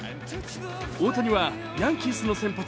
大谷はヤンキースの先発